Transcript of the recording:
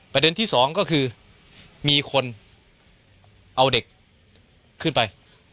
ประเด็นที่สองก็คือมีคนเอาเด็กขึ้นไป